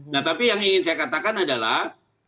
nah tapi yang ingin saya katakan adalah